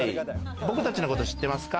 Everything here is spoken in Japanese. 僕たちのこと知ってますか？